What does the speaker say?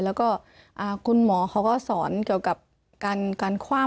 แล้วก็คุณหมอเขาก็สอนเกี่ยวกับการคว่าง